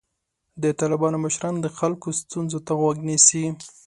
د طالبانو مشران د خلکو ستونزو ته غوږ نیسي.